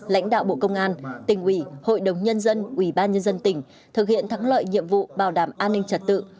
lãnh đạo bộ công an tỉnh ủy hội đồng nhân dân ủy ban nhân dân tỉnh thực hiện thắng lợi nhiệm vụ bảo đảm an ninh trật tự